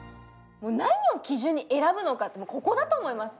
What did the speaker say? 何を基準に選ぶのか、ここだと思います。